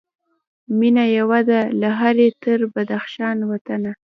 مېنه یوه ده له هري تر بدخشان وطنه